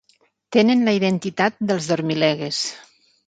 Tenen la identitat dels dormilegues.